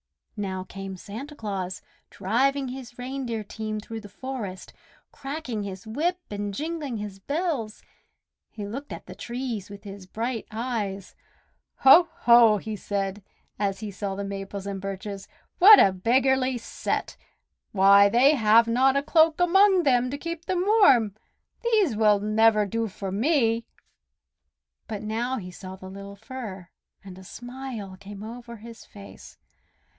Now came Santa Claus, driving his reindeer team through the forest, cracking his whip and jingling his bells. He looked at the trees with his bright eyes. "Ho! ho!" he said as he saw the Maples and Birches. "What a beggarly set! Why, they have not a cloak among them to keep them warm. These will never do for me." But now he saw the little Fir, and a smile came over his face.